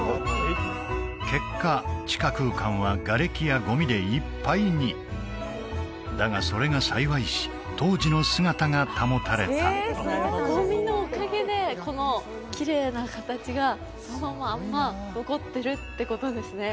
結果地下空間はがれきやゴミでいっぱいにだがそれが幸いし当時の姿が保たれたゴミのおかげでこのきれいな形がそのまんま残ってるってことですね